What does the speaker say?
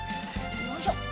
よいしょ。